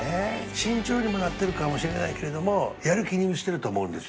慎重にもなってるかもしれないけれどもやる気に満ちてると思うんですよ。